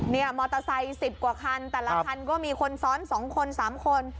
มอเตอร์ไซค์๑๐กว่าคันแต่ละคันก็มีคนซ้อน๒คน๓คน